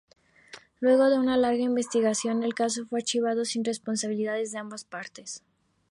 Luego de una larga investigación, el caso fue archivado sin responsabilidades de ambas partes.